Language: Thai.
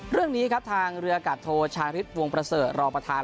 เรื่องนี้ครับทางเรืออากาศโทชาริสวงประเสริฐรองประธาน